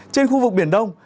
trên khu vực biển đông